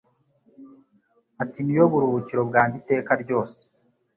ati Ni yo buruhukiro bwanjye iteka ryose